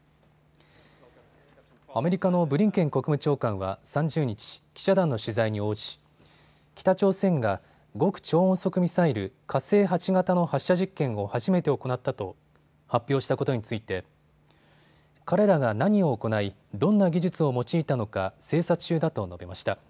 アメリカのブリンケン国務長官は３０日、記者団の取材に応じ北朝鮮が極超音速ミサイル、火星８型の発射実験を初めて行ったと発表したことについて彼らが何を行い、どんな技術を用いたのか精査中だと述べました。